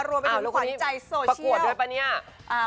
รวมไปถึงขวัญใจโซเชียลประกวดด้วยปะเนี่ย